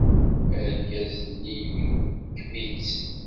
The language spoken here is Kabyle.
Argaz-nni ibekkem-itt.